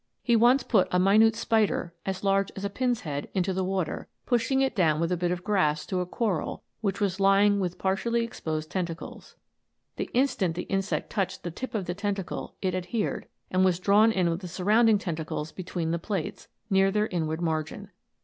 He once put a minute spider, as large as a pin's head, into the water, pushing it down with a bit of grass to a coral, which was lying with partially exposed tentacles. The instant the insect touched the tip of the tentacle it adhered, and was drawn in with the surrounding tentacles between the plates, near their inward margin.